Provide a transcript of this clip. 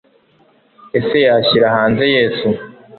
Ese Yashyira hanze Yesu